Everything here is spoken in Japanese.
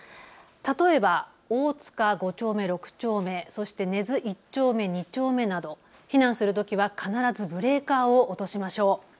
例えば大塚５丁目・６丁目、そして根津１丁目・２丁目など避難するときは必ずブレーカーを落としましょう。